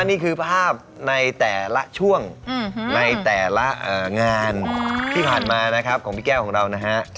นี่คือภาพในแต่ละช่วงในแต่ละงานที่ผ่านมานะครับของพี่แก้วของเรานะฮะ